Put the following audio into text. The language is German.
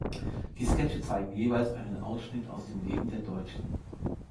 Die Sketche zeigen jeweils einen Ausschnitt aus dem Leben der Deutschen.